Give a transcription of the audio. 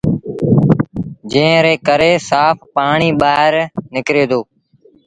جݩهݩ ري ڪري سآڦ پآڻيٚ ٻآهر نڪري دو۔